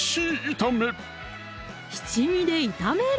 七味で炒める！